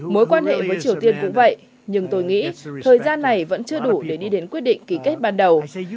mối quan hệ với triều tiên cũng vậy nhưng tôi nghĩ thời gian này vẫn chưa đủ để đi đến quyết định ký kết ban đầu